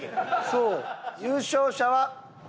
そう。